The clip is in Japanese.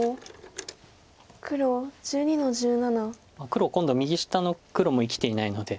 黒今度は右下の黒も生きていないので。